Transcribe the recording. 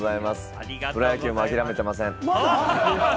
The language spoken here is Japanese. プロ野球も諦めてません。